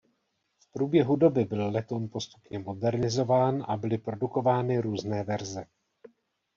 V průběhu doby byl letoun postupně modernizován a byly produkovány různé verze.